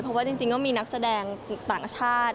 เพราะว่าจริงก็มีนักแสดงต่างชาติ